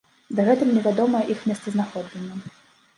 Дагэтуль невядомае іх месцазнаходжанне.